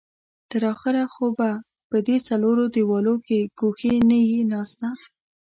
تر اخره خو به په دې څلورو دېوالو کې ګوښې نه يې ناسته.